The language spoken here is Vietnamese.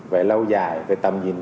về lâu dài về tầm nhìn